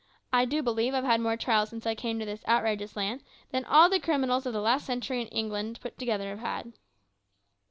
I do believe I've had more trials since I came to this outrageous land than all the criminals of the last century in England put together have had."